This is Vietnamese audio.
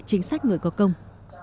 chính sách người có công